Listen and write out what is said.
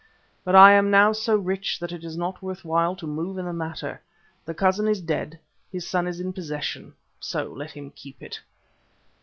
But I am now so rich that it is not worth while to move in the matter. The cousin is dead, his son is in possession, so let him keep it.